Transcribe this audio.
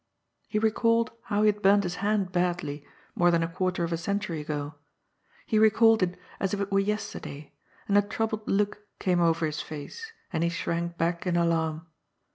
He recalled how he had burnt his hand badly more than a quarter of a century ago ; he recalled it as if it were yester day, and a troubled look came over his face, and he shrank back in alarm.